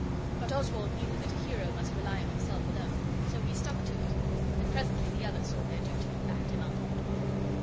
But Oswald knew that a hero must rely on himself alone. So he stuck to it, and presently the others saw their duty, and backed him up.